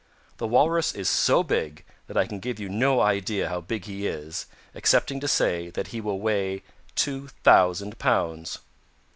The Walrus is so big that I can give you no idea how big he is, excepting to say that he will weight two thousand pounds.